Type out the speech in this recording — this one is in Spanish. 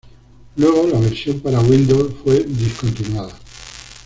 Luego la version para windows fue discontinuada.